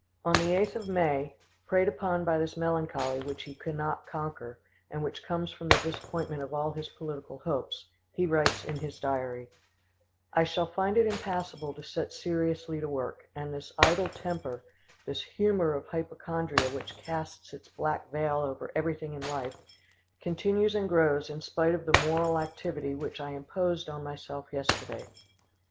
On the 8th of May, preyed upon by this melancholy, which he cannot conquer, and which comes from the disappointment of all his political hopes, he writes in his diary: "I shall find it impassible to set seriously to work, and this idle temper, this humour of hypochondria which casts its black veil over everything in life,—continues and grows in spite of the moral activity which I imposed on myself yesterday."